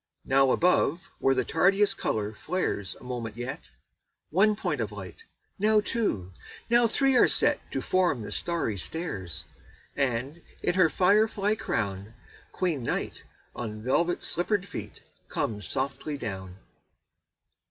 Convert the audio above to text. Now above where the tardiest color flares a moment yet, One point of light, now two, now three are set To form the starry stairs,— And, in her fire fly crown, Queen Night, on velvet slippered feet, comes softly down.